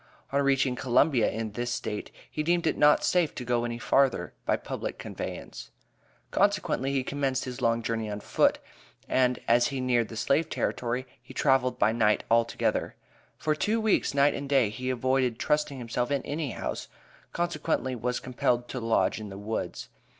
On reaching Columbia in this State, he deemed it not safe to go any further by public conveyance, consequently he commenced his long journey on foot, and as he neared the slave territory he traveled by night altogether. For two weeks, night and day, he avoided trusting himself in any house, consequently was compelled to lodge in the woods.